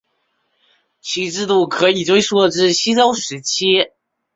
其制度可以追溯至西周时期。